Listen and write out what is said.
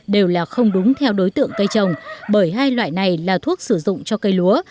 đều là không đúng theo đối tượng cây trồng bởi hai loại này là thuốc sử dụng cho cây lúa